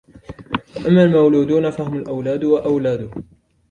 وَأَمَّا الْمَوْلُودُونَ فَهُمْ الْأَوْلَادُ وَأَوْلَادُ